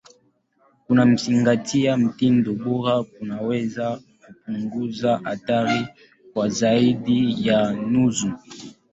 Kuzingatia mtindo bora kunaweza kupunguza hatari kwa zaidi ya nusu.